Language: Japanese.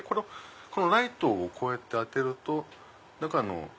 このライトをこうやって当てると中の。